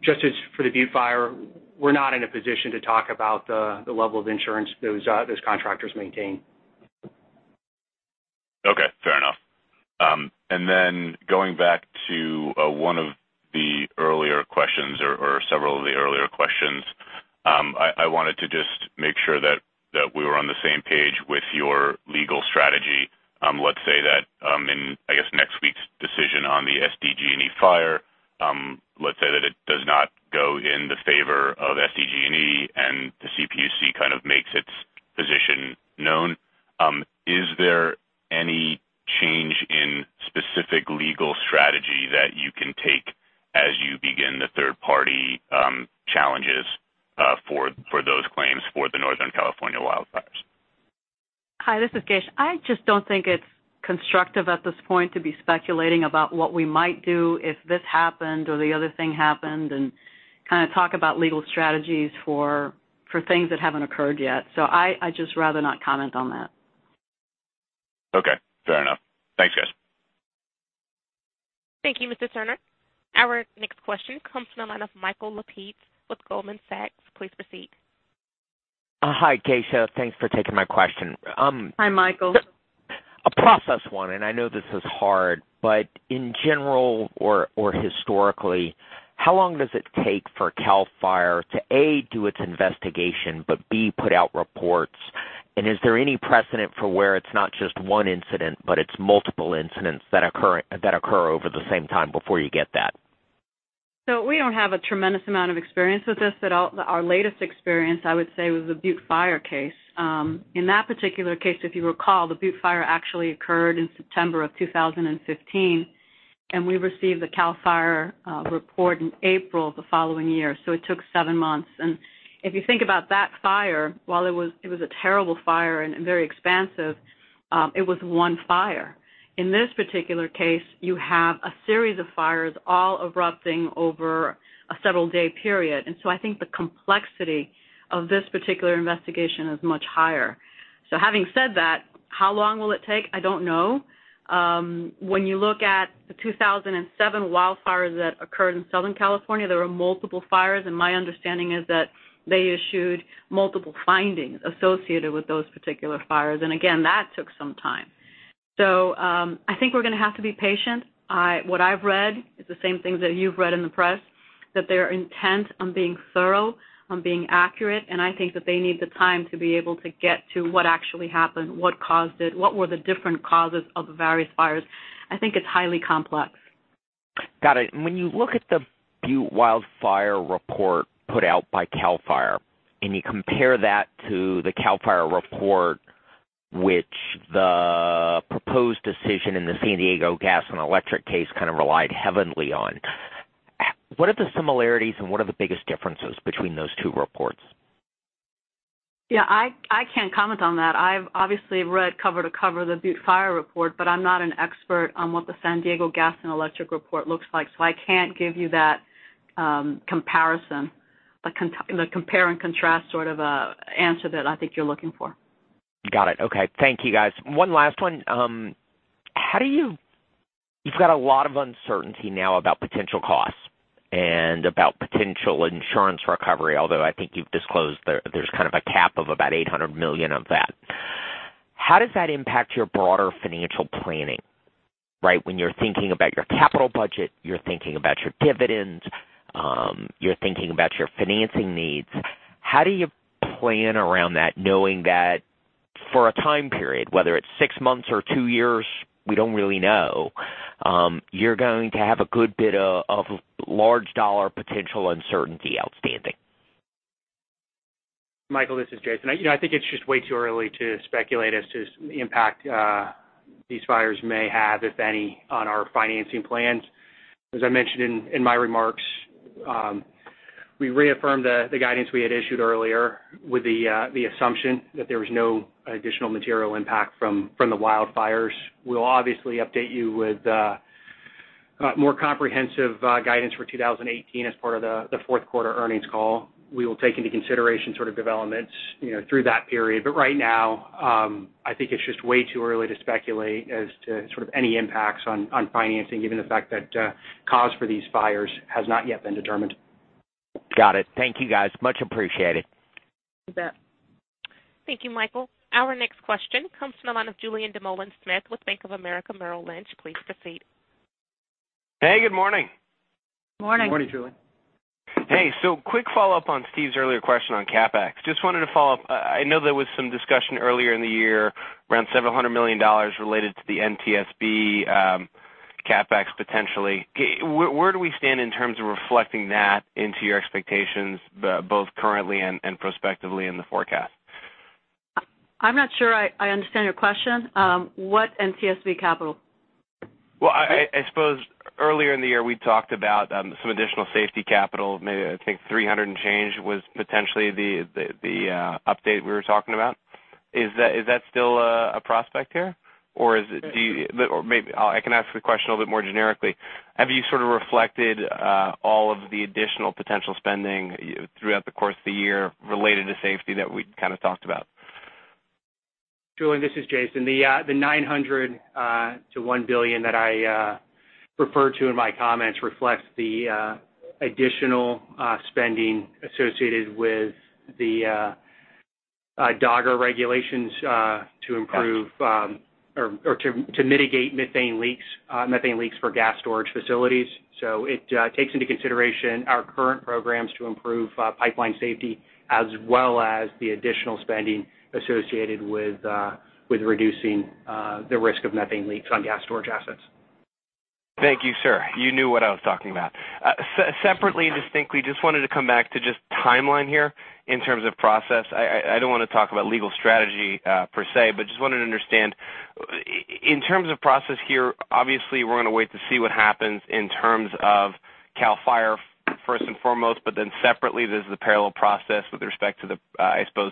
Just as for the Butte Fire, we're not in a position to talk about the level of insurance those contractors maintain. Okay, fair enough. Going back to one of the earlier questions or several of the earlier questions, I wanted to just make sure that we were on the same page with your legal strategy. Let's say that in next week's decision on the SDG&E fire, let's say that it does not go in the favor of SDG&E and the CPUC kind of makes its position known. Is there any change in specific legal strategy that you can take as you begin the third-party challenges for those claims for the Northern California wildfires? Hi, this is Geisha. I just don't think it's constructive at this point to be speculating about what we might do if this happened or the other thing happened, and kind of talk about legal strategies for things that haven't occurred yet. I'd just rather not comment on that. Okay, fair enough. Thanks, guys. Thank you, Mr. Turnure. Our next question comes from the line of Michael Lapides with Goldman Sachs. Please proceed. Hi, Geisha. Thanks for taking my question. Hi, Michael. A process one, and I know this is hard, but in general or historically, how long does it take for Cal Fire to, A, do its investigation, but B, put out reports? Is there any precedent for where it's not just one incident, but it's multiple incidents that occur over the same time before you get that? We don't have a tremendous amount of experience with this, our latest experience, I would say, was the Butte Fire case. In that particular case, if you recall, the Butte Fire actually occurred in September of 2015, and we received the Cal Fire report in April the following year, it took seven months. If you think about that fire, while it was a terrible fire and very expansive, it was one fire. In this particular case, you have a series of fires all erupting over a several-day period. I think the complexity of this particular investigation is much higher. Having said that, how long will it take? I don't know. When you look at the 2007 wildfires that occurred in Southern California, there were multiple fires, and my understanding is that they issued multiple findings associated with those particular fires, and again, that took some time. I think we're going to have to be patient. What I've read is the same things that you've read in the press, that they are intent on being thorough, on being accurate, and I think that they need the time to be able to get to what actually happened, what caused it, what were the different causes of the various fires. I think it's highly complex. Got it. When you look at the Butte Fire report put out by Cal Fire, and you compare that to the Cal Fire report, which the proposed decision in the San Diego Gas & Electric case kind of relied heavily on, what are the similarities and what are the biggest differences between those two reports? Yeah, I can't comment on that. I've obviously read cover to cover the Butte Fire report, I'm not an expert on what the San Diego Gas & Electric report looks like, I can't give you that comparison, the compare and contrast sort of answer that I think you're looking for. Got it. Okay. Thank you, guys. One last one. You've got a lot of uncertainty now about potential costs and about potential insurance recovery, although I think you've disclosed there's kind of a cap of about $800 million of that. How does that impact your broader financial planning? Right, when you're thinking about your capital budget, you're thinking about your dividends, you're thinking about your financing needs. How do you plan around that knowing that for a time period, whether it's six months or two years, we don't really know, you're going to have a good bit of large dollar potential uncertainty outstanding? Michael, this is Jason. I think it's just way too early to speculate as to the impact these fires may have, if any, on our financing plans. As I mentioned in my remarks, we reaffirmed the guidance we had issued earlier with the assumption that there was no additional material impact from the wildfires. We will obviously update you with more comprehensive guidance for 2018 as part of the fourth quarter earnings call. We will take into consideration sort of developments through that period. Right now, I think it's just way too early to speculate as to sort of any impacts on financing, given the fact that cause for these fires has not yet been determined. Got it. Thank you, guys. Much appreciated. You bet. Thank you, Michael. Our next question comes from the line of Julien Dumoulin-Smith with Bank of America Merrill Lynch. Please proceed. Hey, good morning. Morning. Morning, Julien. Hey, quick follow-up on Steve's earlier question on CapEx. Just wanted to follow up. I know there was some discussion earlier in the year around $700 million related to the GT&S CapEx potentially. Where do we stand in terms of reflecting that into your expectations, both currently and prospectively in the forecast? I'm not sure I understand your question. What GT&S capital? Well, I suppose earlier in the year, we talked about some additional safety capital. Maybe, I think $300 and change was potentially the update we were talking about. Is that still a prospect here? Maybe I can ask the question a little bit more generically. Have you sort of reflected all of the additional potential spending throughout the course of the year related to safety that we kind of talked about? Julien, this is Jason. The $900 million-$1 billion that I referred to in my comments reflects the additional spending associated with the DOGGR regulations. Got it. to mitigate methane leaks for gas storage facilities. It takes into consideration our current programs to improve pipeline safety, as well as the additional spending associated with reducing the risk of methane leaks on gas storage assets. Thank you, sir. You knew what I was talking about. Separately and distinctly, just wanted to come back to just timeline here in terms of process. I don't want to talk about legal strategy per se, but just wanted to understand, in terms of process here, obviously, we're going to wait to see what happens in terms of CAL FIRE first and foremost, separately, there's the parallel process with respect to the, I suppose,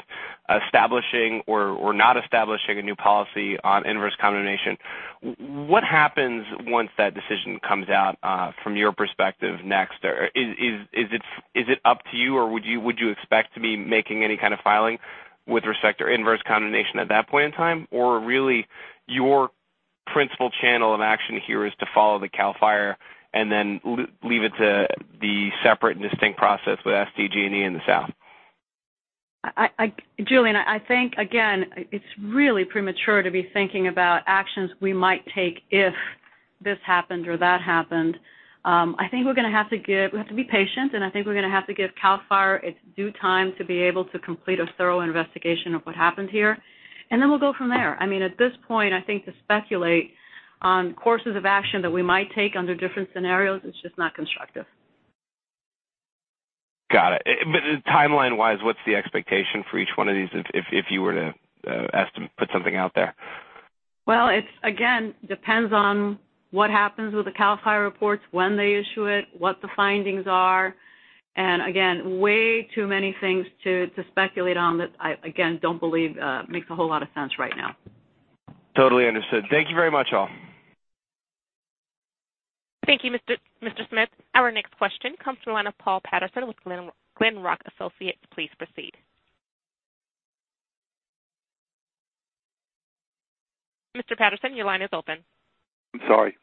establishing or not establishing a new policy on inverse condemnation. What happens once that decision comes out from your perspective next? Is it up to you, or would you expect to be making any kind of filing with respect to inverse condemnation at that point in time? Really, your principal channel of action here is to follow the CAL FIRE and then leave it to the separate and distinct process with SDG&E in the south? Julien, I think, again, it's really premature to be thinking about actions we might take if this happened or that happened. I think we have to be patient, and I think we're going to have to give CAL FIRE its due time to be able to complete a thorough investigation of what happened here. Then we'll go from there. I mean, at this point, I think to speculate on courses of action that we might take under different scenarios, it's just not constructive. Got it. Timeline-wise, what's the expectation for each one of these if you were to put something out there? Well, it, again, depends on what happens with the Cal Fire reports, when they issue it, what the findings are. Again, way too many things to speculate on that I, again, don't believe makes a whole lot of sense right now. Totally understood. Thank you very much, all. Thank you, Mr. Smith. Our next question comes from the line of Paul Patterson with Glenrock Associates. Please proceed. Mr. Patterson, your line is open. I'm sorry.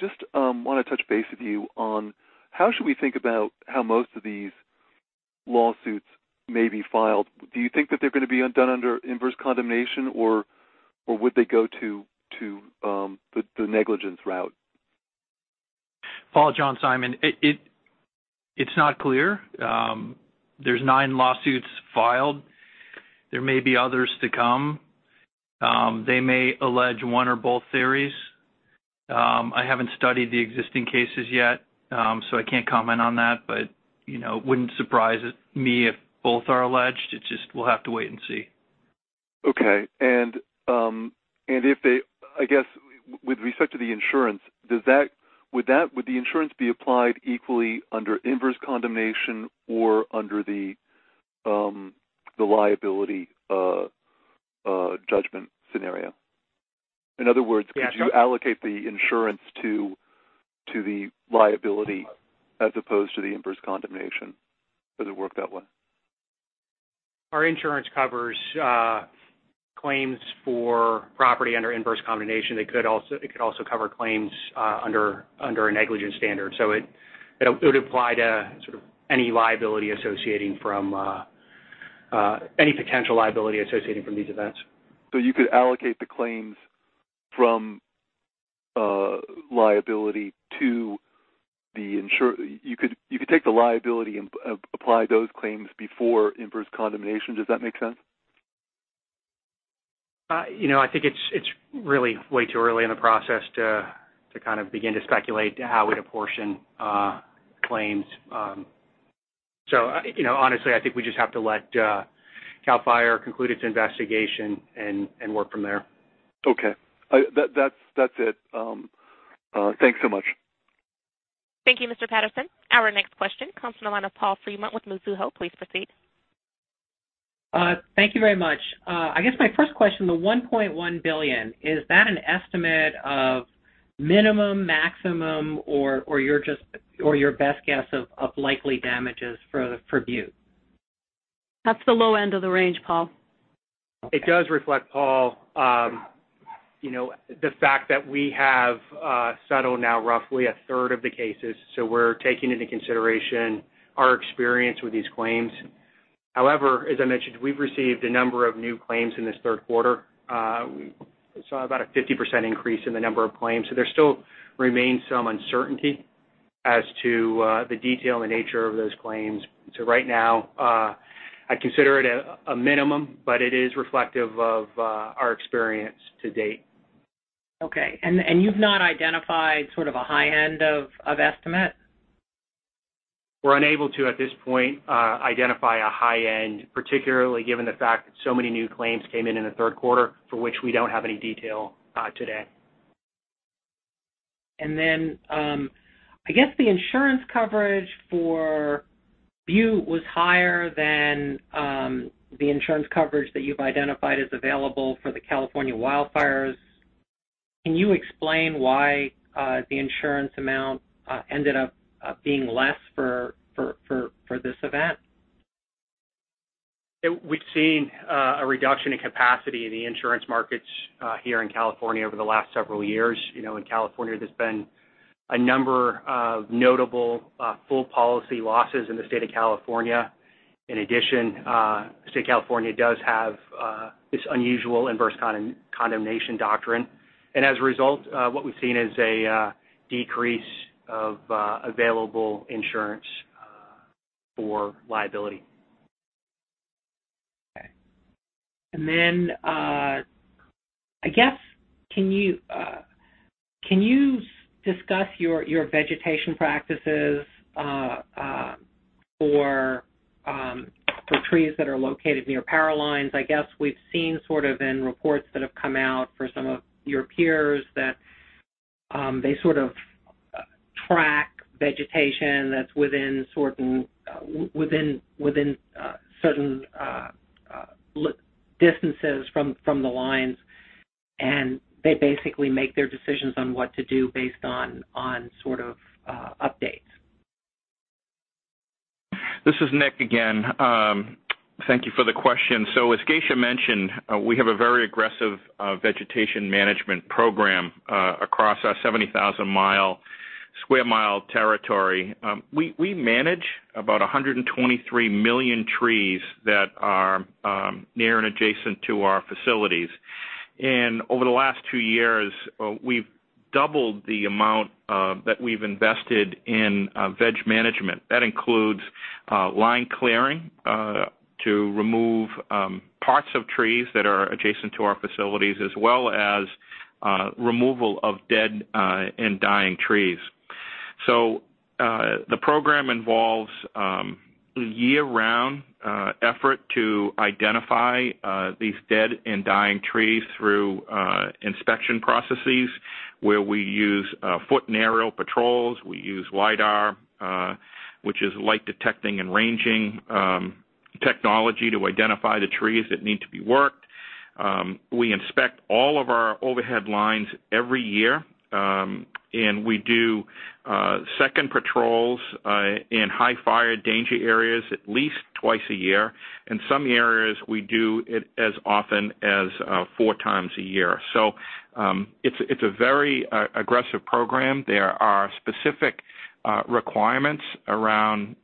Just want to touch base with you on how should we think about how most of these lawsuits may be filed. Do you think that they're going to be done under inverse condemnation, or would they go to the negligence route? Paul, John Simon. It's not clear. There's nine lawsuits filed. There may be others to come. They may allege one or both theories. I haven't studied the existing cases yet, so I can't comment on that, but it wouldn't surprise me if both are alleged. It's just, we'll have to wait and see. Okay. If they, I guess, with respect to the insurance, would the insurance be applied equally under inverse condemnation or under the liability judgment scenario? In other words, could you allocate the insurance to the liability as opposed to the inverse condemnation? Does it work that way? Our insurance covers claims for property under inverse condemnation. It could also cover claims under a negligence standard. It would apply to any potential liability associating from these events. You could allocate the claims from liability to the insurer. You could take the liability and apply those claims before inverse condemnation. Does that make sense? I think it's really way too early in the process to begin to speculate how we'd apportion claims. Honestly, I think we just have to let Cal Fire conclude its investigation and work from there. Okay. That's it. Thanks so much. Thank you, Mr. Patterson. Our next question comes from the line of Paul Fremont with Mizuho. Please proceed. Thank you very much. I guess my first question, the $1.1 billion, is that an estimate of minimum, maximum, or your best guess of likely damages for Butte Fire? That's the low end of the range, Paul. It does reflect, Paul, the fact that we have settled now roughly a third of the cases. We're taking into consideration our experience with these claims. However, as I mentioned, we've received a number of new claims in this third quarter. We saw about a 50% increase in the number of claims. There still remains some uncertainty as to the detail and the nature of those claims. Right now, I'd consider it a minimum, but it is reflective of our experience to date. Okay. You've not identified a high end of estimate? We're unable to, at this point, identify a high end, particularly given the fact that so many new claims came in in the third quarter, for which we don't have any detail today. I guess the insurance coverage for Butte was higher than the insurance coverage that you've identified as available for the California wildfires. Can you explain why the insurance amount ended up being less for this event? We've seen a reduction in capacity in the insurance markets here in California over the last several years. In California, there's been a number of notable full policy losses in the state of California. In addition, the state of California does have this unusual inverse condemnation doctrine. As a result, what we've seen is a decrease of available insurance for liability. Okay. Can you discuss your vegetation practices for trees that are located near power lines? I guess we've seen in reports that have come out for some of your peers that they track vegetation that's within certain distances from the lines, and they basically make their decisions on what to do based on updates. This is Nick again. Thank you for the question. As Geisha mentioned, we have a very aggressive vegetation management program across our 70,000 square mile territory. We manage about 123 million trees that are near and adjacent to our facilities. Over the last two years, we've doubled the amount that we've invested in veg management. That includes line clearing to remove parts of trees that are adjacent to our facilities, as well as removal of dead and dying trees. The program involves a year-round effort to identify these dead and dying trees through inspection processes where we use foot and aerial patrols. We use lidar, which is light detecting and ranging technology to identify the trees that need to be worked. We inspect all of our overhead lines every year, and we do second patrols in high fire danger areas at least twice a year. In some areas, we do it as often as four times a year. It's a very aggressive program. There are specific requirements around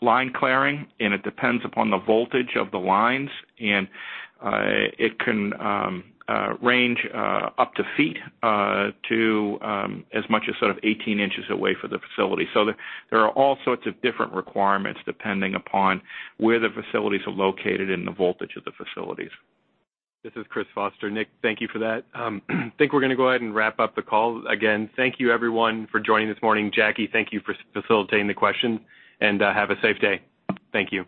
line clearing, it depends upon the voltage of the lines, it can range up to feet to as much as 18 inches away for the facility. There are all sorts of different requirements depending upon where the facilities are located and the voltage of the facilities. This is Chris Foster. Nick, thank you for that. I think we're going to go ahead and wrap up the call. Again, thank you everyone for joining this morning. Jackie, thank you for facilitating the questions, and have a safe day. Thank you.